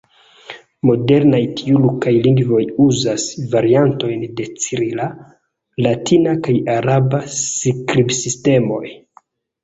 Modernaj tjurkaj lingvoj uzas variantojn de cirila, latina kaj araba skribsistemoj.